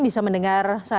bisa mendengar saya